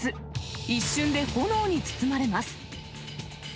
一瞬で炎に包まれます。